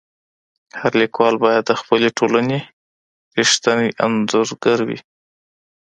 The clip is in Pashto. هر ليکوال بايد د خپلي ټولني رښتينی انځورګر وي.